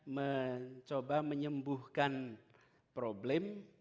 mencoba menyembuhkan problem